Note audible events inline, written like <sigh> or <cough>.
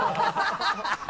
ハハハ <laughs>